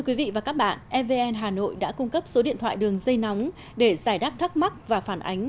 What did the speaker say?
quý vị và các bạn evn hà nội đã cung cấp số điện thoại đường dây nóng để giải đáp thắc mắc và phản ánh